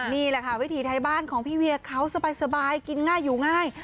นี่แหละค่ะวิถีไทยบ้านของพี่เวียเขาสบายกินง่ายอยู่ง่าย